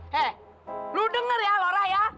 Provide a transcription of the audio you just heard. hei lo denger ya lora ya